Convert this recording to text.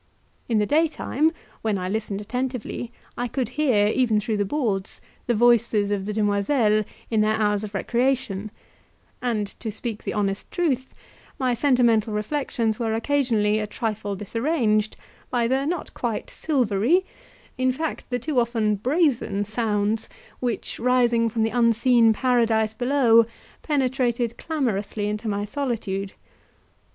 In the daytime, when I listened attentively, I could hear, even through the boards, the voices of the demoiselles in their hours of recreation, and, to speak the honest truth, my sentimental reflections were occasionally a trifle disarranged by the not quite silvery, in fact the too often brazen sounds, which, rising from the unseen paradise below, penetrated clamorously into my solitude.